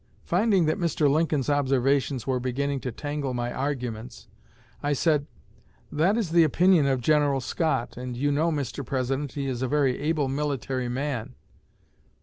Finding that Mr. Lincoln's observations were beginning to tangle my arguments, I said, 'That is the opinion of General Scott, and you know, Mr. President, he is a very able military man.'